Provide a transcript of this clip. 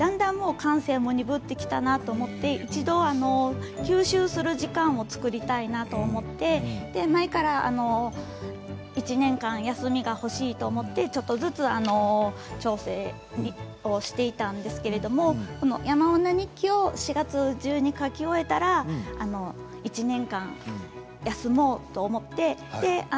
感性も鈍ってきたなと思って一度、吸収する時間を作りたいなと思って前から１年間休みが欲しいと思ってちょっとずつ調整をしていたんですけれど「山女日記」を４月中に書き終えたら、１年間休もうと思って。